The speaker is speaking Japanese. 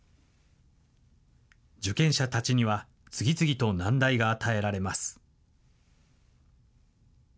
受験者たちには次々と難題が与えられます。